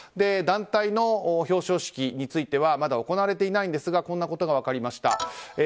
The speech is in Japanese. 団体の表彰式についてはまだ行われていないんですがこんなことが分かりました。